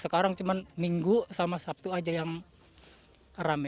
sekarang cuma minggu sama sabtu aja yang rame